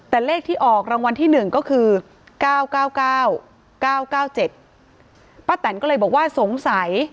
แต่เลขที่ออกรางวัลที่หนึ่งก็คือเก้าเก้าเก้าเก้าเจ็ดป้าแตนก็เลยบอกว่าสงสัย